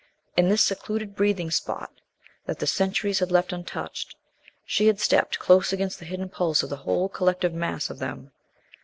In this secluded breathing spot that the centuries had left untouched, she had stepped close against the hidden pulse of the whole collective mass of them.